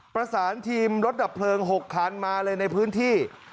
ประสานทีมรถดับเพลิง๖คันมาเลยในพื้นที่